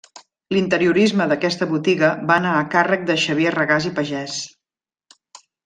L'interiorisme d'aquesta botiga va anar a càrrec de Xavier Regàs i Pagès.